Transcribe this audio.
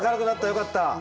よかった。